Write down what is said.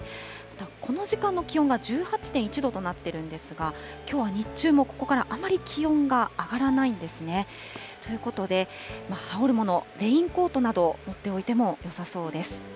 この時間の気温が１８．１度となっているんですが、きょうは日中も、ここからあんまり気温が上がらないんですね。ということで、羽織るもの、レインコートなどを持っておいてもよさそうです。